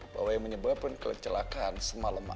bahwa yang menyebabkan kecelakaan semalam